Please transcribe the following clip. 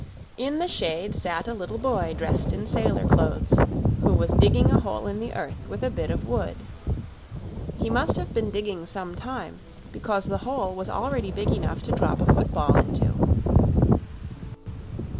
In the shade sat a little boy dressed in sailor clothes, who was digging a hole in the earth with a bit of wood. He must have been digging some time, because the hole was already big enough to drop a football into.